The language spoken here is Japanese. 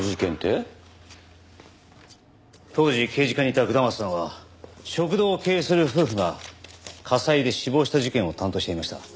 当時刑事課にいた下松さんは食堂を経営する夫婦が火災で死亡した事件を担当していました。